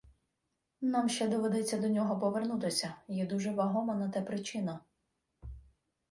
Нам ще доведеться до нього повернутися, є дуже вагома на те причина